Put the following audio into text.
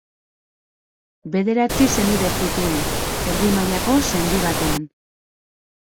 Bederatzi senide zituen erdi mailako sendi batean.